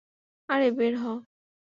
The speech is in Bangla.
আরে, বের হও।